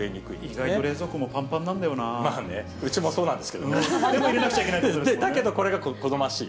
意外と冷蔵庫もぱんぱんなんまあね、うちもそうなんですでも、入れなくちゃいけないだけどこれが好ましい。